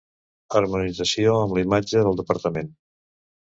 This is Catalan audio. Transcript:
Harmonització amb la imatge del Departament.